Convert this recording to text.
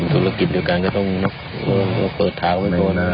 ทำธุรกิจเดียวกันก็ต้องก็เปิดเท้าไปมืดตัด